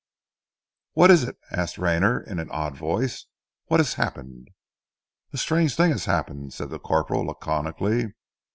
"What is it?" asked Rayner in an odd voice. "What has happened?" "A strange thing has happened," said the corporal laconically.